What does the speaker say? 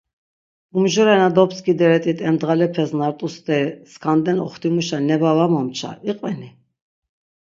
Umjore na dopskideret̆it em dğalepes na rt̆u steri skanden oxtimuşa neba va momça iqveni?